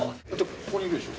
ここにいるでしょ？